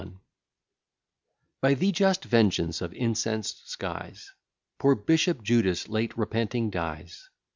1731 By the just vengeance of incensed skies, Poor Bishop Judas late repenting dies.